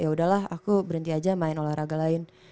yaudah lah aku berhenti aja main olahraga lain